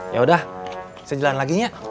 yaudah sejalan lagi nya